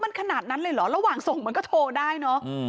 มันขนาดนั้นเลยเหรอระหว่างส่งมันก็โทรได้เนอะ